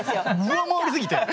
上回りすぎて。